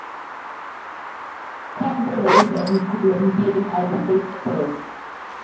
Calderone and "the Colombian" are the same person.